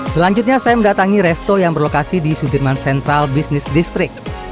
selanjutnya saya mendatangi resto yang berlokasi di sudirman central business district